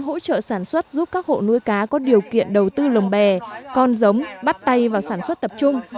hỗ trợ sản xuất giúp các hộ nuôi cá có điều kiện đầu tư lồng bè con giống bắt tay vào sản xuất tập trung